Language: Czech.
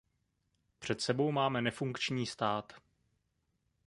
Před sebou máme nefunkční stát.